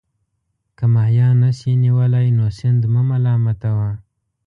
که ماهیان نه شئ نیولای نو سیند مه ملامتوه.